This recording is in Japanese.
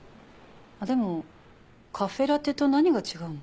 でもカフェラテと何が違うの？